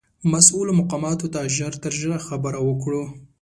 مسؤولو مقاماتو ته ژر تر ژره خبر ورکړو.